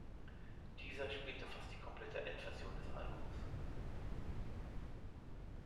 Dieser spielt fast die komplette Endversion des Albums.